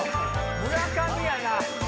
村上やな。